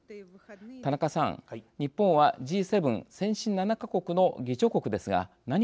田中さん日本はＧ７先進７か国の議長国ですが何ができるでしょうか。